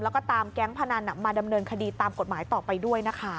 แล้วก็ตามแก๊งพนันมาดำเนินคดีตามกฎหมายต่อไปด้วยนะคะ